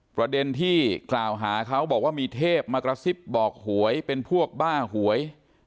ประเด็นที่กล่าวหาเขาบอกว่ามีเทพมากระซิบบอกหวยเป็นพวกบ้าหวย